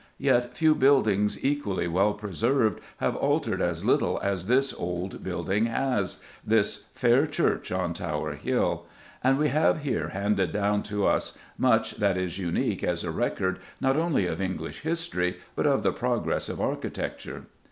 Yet few buildings equally well preserved have altered as little as this old building has this "fair church on Tower Hill" and we have here handed down to us much that is unique as a record not only of English history but of the progress of architecture.